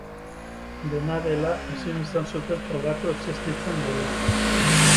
Dena dela, ezin izan zuten frogatu existitzen dela.